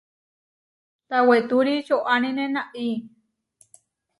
Tawetúri čoʼánine naʼi.